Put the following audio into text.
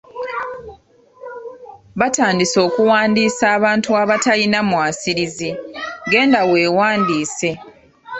Batandise okuwandiisa abantu abatalina mwasirizi genda weewandiise.